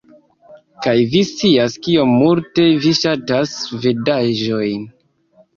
Kaj vi scias kiom multe vi ŝatas svedaĵojn